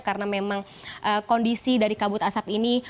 karena memang kondisi dari kabut asap ini